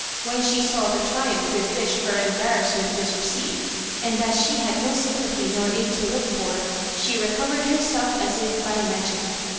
When she saw the triumph with which her embarrassment was received, and that she had no sympathy nor aid to look fbr, she re covered herself as if by magic.